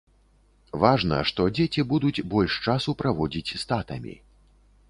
Важна, што дзеці будуць больш часу праводзіць з татамі.